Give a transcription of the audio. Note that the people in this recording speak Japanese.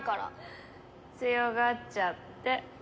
強がっちゃって。